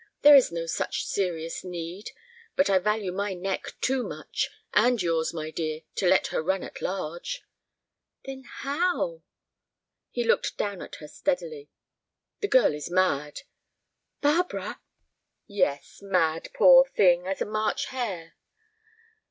There is no such serious need. But I value my neck too much, and yours, my dear, to let her run at large." "Then how?" He looked down at her steadily. "The girl is mad." "Barbara!" "Yes, mad, poor thing, as a March hare.